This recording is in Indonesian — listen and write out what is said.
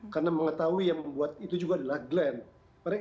karena mengetahui yang membuat itu juga adalah glenn